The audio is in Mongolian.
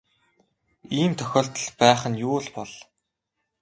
Ийм тохиолдол байх нь юу л бол.